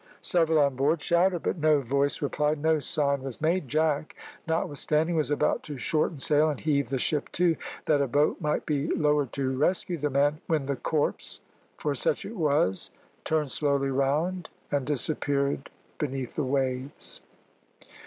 Several on board shouted, but no voice replied, no sign was made. Jack, notwithstanding, was about to shorten sail and heave the ship to, that a boat might be lowered to rescue the man, when the corpse for such it was turned slowly round and disappeared beneath the waves.